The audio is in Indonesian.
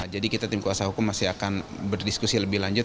jadi kita tim kuasa hukum masih akan berdiskusi lebih lanjut